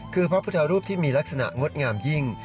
คือพระพุทธรูปที่มีลักษณะงดงามยิ่ง